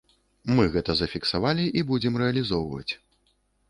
Мы гэта зафіксавалі і будзем рэалізоўваць.